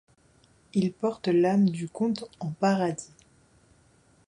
Ils portent l’âme du comte en paradis.